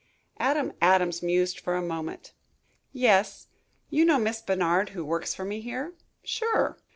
Adam Adams mused for a moment. "Yes. You know Miss Bernard, who works for me here?" "Sure."